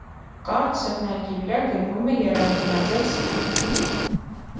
Կարճ սռնակի վրա գտնվում է եռանկյունաձև սպին։